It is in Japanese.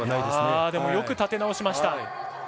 でもよく立て直しました。